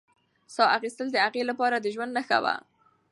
ساه اخیستل د هغې لپاره د ژوند نښه وه.